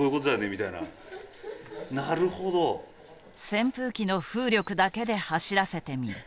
扇風機の風力だけで走らせてみる。